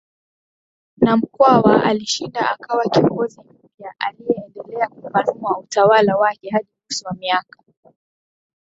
na Mkwawa alishinda akawa kiongozi mpyaAliendelea kupanua utawala wake Hadi mwisho wa miaka